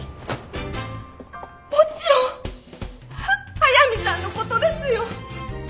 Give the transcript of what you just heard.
もちろん速見さんのことですよ！